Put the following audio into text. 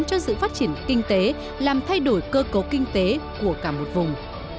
cho sự phát triển kinh tế làm thay đổi cơ cấu kinh tế của cả một vùng